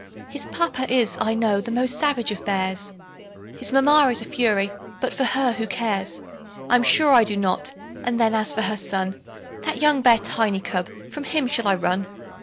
His papa is, I know, the most savage of bears, His mamma is a fury; but for her who cares? I'm sure I do not; and then, as for her son, That young bear, Tiny cub from him shall I run?